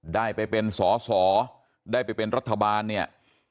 ได้ไปเป็นสอสอได้ไปเป็นรัฐบาลเนี่ย